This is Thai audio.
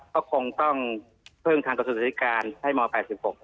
ก็คงต้องเพิ่งทางกระทรวงศึกษาธิการ